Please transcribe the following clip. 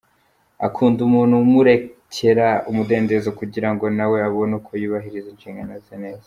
Akunda umuntu umurekera umudendezo kugira ngo na we abone uko yubahiriza inshingano ze neza.